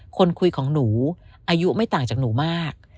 คนคุยของหนูอายุไม่ต่างจากหนูมาก